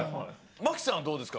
真木さんはどうですか？